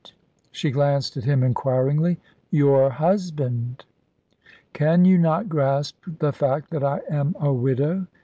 she glanced at him inquiringly. "Your husband." "Can you not grasp the fact that I am a widow?